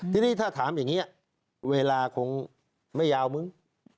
ทีนี้ถ้าถามอย่างนี้เวลาคงไม่ยาวมึง